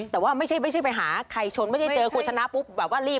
แต่ว่าไม่ใช่ไปหาใครชนไม่ใช่เจอโฆษณะปุ๊บแบบว่ารีบ